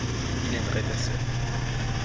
Il aimerait ta sœur.